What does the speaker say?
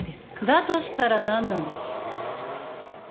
だとしたら何なの？